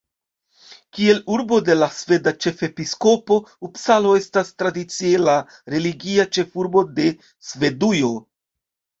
Kiel urbo de la sveda ĉefepiskopo, Upsalo estas tradicie la religia ĉefurbo de Svedujo.